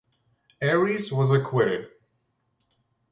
Ares was acquitted.